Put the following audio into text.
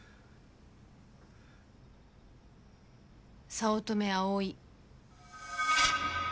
早乙女葵。